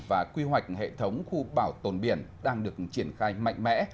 và quy hoạch hệ thống khu bảo tồn biển đang được triển khai mạnh mẽ